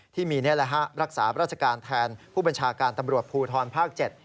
นี่แหละฮะรักษาราชการแทนผู้บัญชาการตำรวจภูทรภาค๗